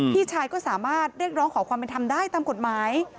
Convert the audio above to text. พี่ชายก็สามารถเรียกร้องขอความเป็นธรรมได้ตามกฎหมาย